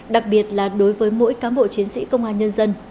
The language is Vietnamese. đặc biệt là đối với mỗi cán bộ chiến sĩ công an nhân dân